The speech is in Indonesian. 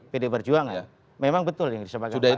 pdi perjuangan memang betul yang disampaikan pak bambang